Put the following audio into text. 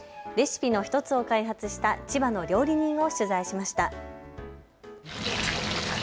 レシピの１つを開発した千葉の料理人を取材しました。